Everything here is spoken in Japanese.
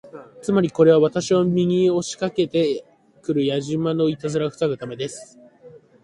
つまり、これは私を見に押しかけて来るやじ馬のいたずらを防ぐためです。